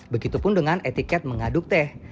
begitupun dengan etiket mengaduk teh